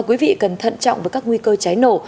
quý vị cần thận trọng với các nguy cơ cháy nổ